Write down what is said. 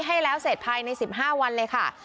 ให้แล้วเสร็จภายใน๑๕วันเลยค่ะ